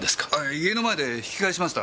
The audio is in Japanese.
家の前で引き返しました。